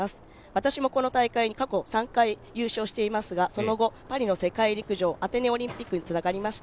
私もこの大会に過去３回優勝していますがその後、パリの世界陸上、アテネオリンピックにつながりました。